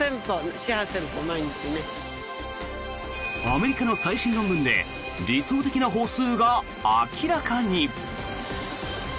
アメリカの最新論文で理想的な歩数が明らかに。